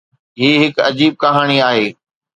هي هڪ عجيب ڪهاڻي آهي.